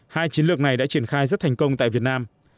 hai chiến lược này đã triển khai rất thành công tại việt nam